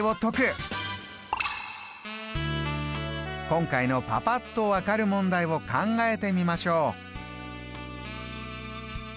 今回のパパっと分かる問題を考えてみましょう。